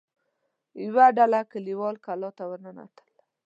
يوه ډله کليوال کلا ته ور ننوتل.